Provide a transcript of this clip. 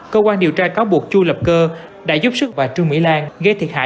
cơ quan điều tra cáo buộc chu lập cơ đã giúp sức bà trương mỹ lan gây thiệt hại